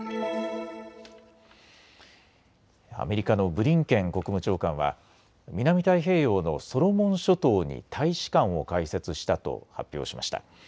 アメリカのブリンケン国務長官は南太平洋のソロモン諸島に大使館を開設したと発表しました。